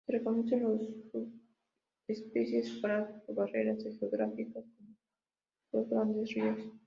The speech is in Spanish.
Se reconocen dos subespecies separadas por barreras geográficas como los grandes ríos.